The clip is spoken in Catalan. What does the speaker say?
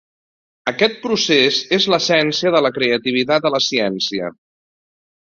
Aquest procés es l"essència de la creativitat a la ciència.